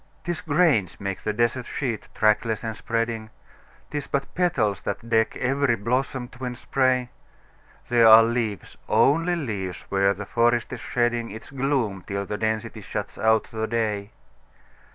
'Tis grains make the desert sheet, trackless and spreading; 'Tis but petals that deck every blossom twinned spray; There are leaves only leaves where the forest is shedding Its gloom till the density shuts out the day.